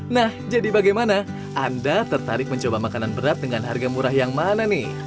nah jadi bagaimana anda tertarik mencoba makanan berat dengan harga murah yang mana nih